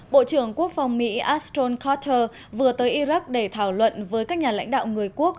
bộ trưởng quốc phòng mỹ astrol carter vừa tới iraq để thảo luận với các nhà lãnh đạo người quốc